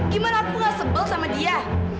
gimana aku gak sebel sama dia